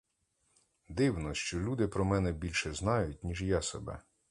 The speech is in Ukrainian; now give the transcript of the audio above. Дивно, що люди про мене більше знають, ніж я себе.